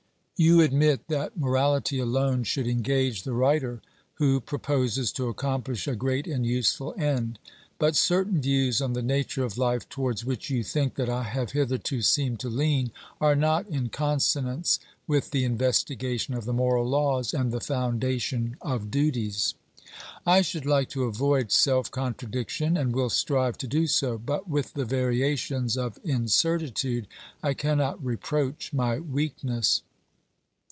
You admit that morality alone should engage the writer who proposes to accomplish a great and useful end; but certain views on the nature of life towards which you think that I have hitherto seemed to lean, are not in consonance with the investigation of the moral laws and the foundation of duties. I should like to avoid self contradiction and will strive to do so, but with the variations of incertitude I cannot reproach my weakness.